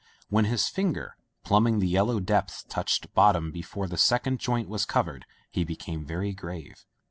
When his finger, plumbing the yellow depths touched bottom before the second joint was covered he became very grave.